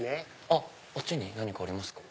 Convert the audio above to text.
あっちに何かありますか？